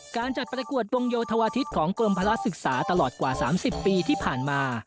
การจัดประกวดวงโยธวาทิศของกรมภาระศึกษาตลอดกว่า๓๐ปีที่ผ่านมา